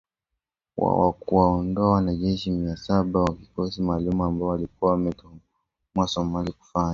wa kuwaondoa wanajeshi mia saba wa kikosi maalum ambao walikuwa wametumwa Somalia kufanya